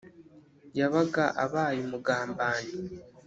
yabaga abaye umugambanyi